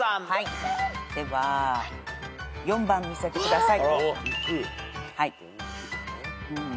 では４番見せてください。